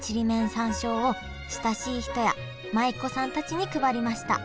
山椒を親しい人や舞妓さんたちに配りました。